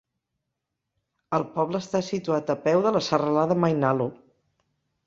El poble està situat a peu de la serralada Mainalo.